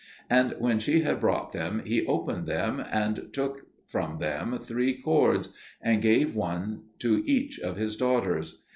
And when she had brought them, he opened them, and took from them three cords, and gave one to each of his daughters.